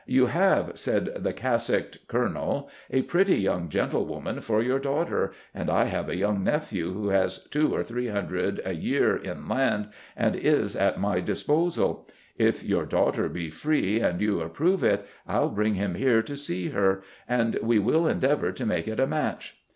"You have," said the cassocked Colonel, "a pretty young gentlewoman for your daughter, and I have a young nephew, who has two or three hundred a year in land, and is at my disposal. If your daughter be free, and you approve it, I'll bring him here to see her, and we will endeavour to make it a match."